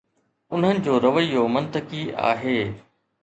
انهن جو رويو منطقي آهي.